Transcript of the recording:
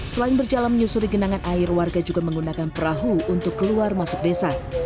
selain berjalan menyusuri genangan air warga juga menggunakan perahu untuk keluar masuk desa